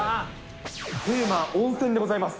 テーマ、温泉でございます。